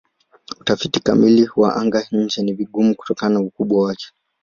Utafiti kamili wa anga-nje ni vigumu kutokana na ukubwa wake.